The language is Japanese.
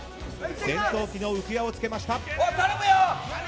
戦闘機の浮き輪をつけました。